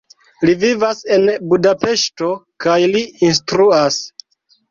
Li vivas en Budapeŝto kaj li instruas.